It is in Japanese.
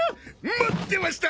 待ってました！